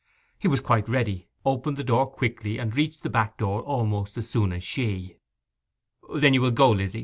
He was quite ready, opened the door quickly, and reached the back door almost as soon as she. 'Then you will go, Lizzy?